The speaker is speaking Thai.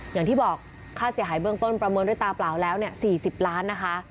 อย่างที่บอกค่าเสียหายเบื้องต้นประเมินด้วยตาเปล่าแล้ว๔๐ล้านนะคะ